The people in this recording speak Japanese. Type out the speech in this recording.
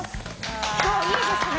今日いいですね。